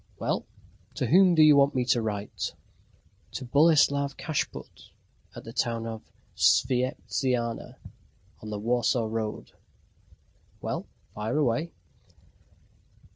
"Well, to whom do you want to write?" "To Boleslav Kashput, at the town of Svieptziana, on the Warsaw Road..." "Well, fire away!"